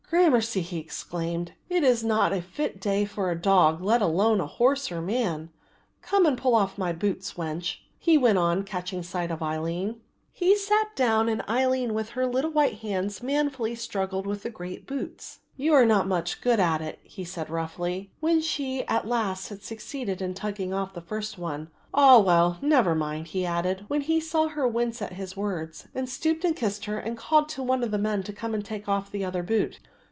"Gramercy," he exclaimed, "it is not a fit day for a dog let alone a horse or a man. Come and pull off my boots, wench," he went on, catching sight of Aline. A meal taken about 8 o'clock. He sat down and Aline with her little white hands manfully struggled with the great boots. "You are not much good at it," he said roughly, when at last she succeeded in tugging off the first one. "Ah, well, never mind," he added, when he saw her wince at his words, and stooped and kissed her and called to one of the men to come and take off the other boot.